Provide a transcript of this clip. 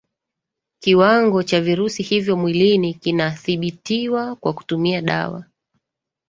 kiwango cha virusi hivyo mwilini kinadhibitiwa kwa kutumia dawa